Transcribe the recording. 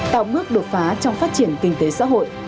tạo bước đột phá trong phát triển kinh tế xã hội